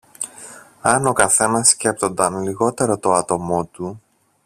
Αν ο καθένας σκέπτονταν λιγότερο το άτομο του